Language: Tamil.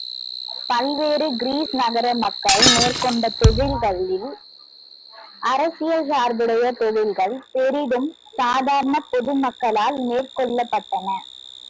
பல்வேறு கிரீஸ் நகர மக்கள் மேற்கொண்ட தொழில்களில், அரசியல் சார்புடைய தொழில்கள் பெரிதும், சாதாரணப் பொதுமக்களால் மேற்கொள்ளப்பட்டன.